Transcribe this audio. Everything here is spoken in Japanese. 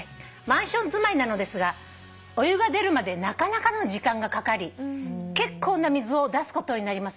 「マンション住まいなのですがお湯が出るまでなかなかの時間がかかり結構な水を出すことになります」